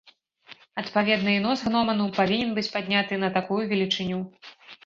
Адпаведна і нос гноману павінен быць падняты на такую велічыню.